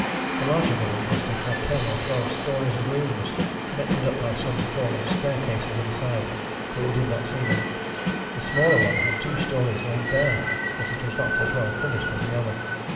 The larger village must have had ten or twelve stories of rooms connected up by some form of staircases inside, but we did not see them. The smaller one had two stories laid bare, but it was not as well finished as the other.